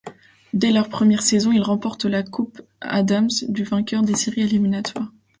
Dès leur première saison, ils remportent la Coupe Adams du vainqueur des séries éliminatoires.